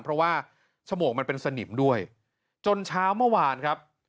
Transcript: เพราะว่าฉมวกมันเป็นสนิมด้วยจนเช้าเมื่อวานครับ